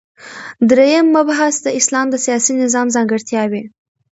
دریم مبحث : د اسلام د سیاسی نظام ځانګړتیاوی